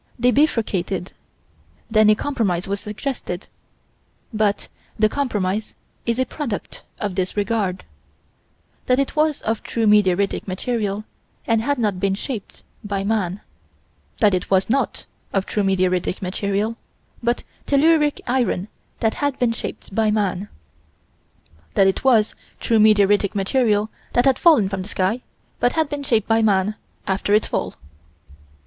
They bifurcated: then a compromise was suggested; but the compromise is a product of disregard: That it was of true meteoritic material, and had not been shaped by man; That it was not of true meteoritic material, but telluric iron that had been shaped by man: That it was true meteoritic material that had fallen from the sky, but had been shaped by man, after its fall.